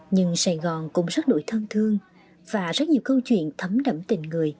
nhưng sài gòn cũng rất đổi thân thương và rất nhiều câu chuyện thấm đẫm tình người